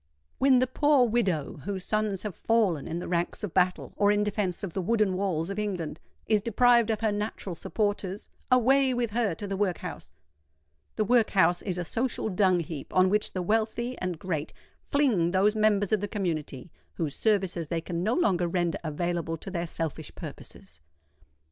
When the poor widow, whose sons have fallen in the ranks of battle or in defence of the wooden walls of England, is deprived of her natural supporters, away with her to the workhouse! The workhouse is a social dung heap on which the wealthy and great fling those members of the community whose services they can no longer render available to their selfish purposes.